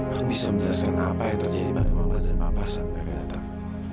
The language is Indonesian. aku bisa menjelaskan apa yang terjadi pada mama dan papa sampai dia datang